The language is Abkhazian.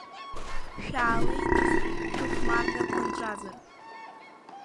Шәаалеи нас, шәыхәмаррақәа нҵәазар!